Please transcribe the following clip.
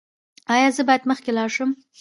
ایا زه باید مخکې لاړ شم؟